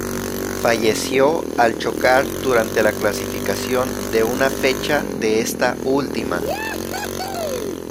Falleció al chocar durante la clasificación de una fecha de esta última.